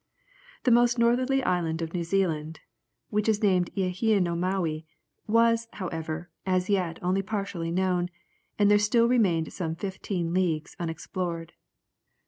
The most northerly island of New Zealand, which is named Eaheinomauwe, was, however, as yet only partially known, there still remained some fifteen leagues unexplored.